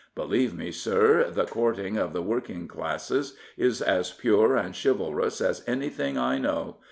Believe me, sir, the courting of the working classes is as pure and chivalrous as anything I know.